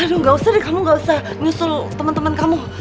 aduh gak usah deh kamu gak usah nyusul teman teman kamu